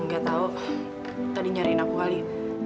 gak tahu tadi nyariin aku kali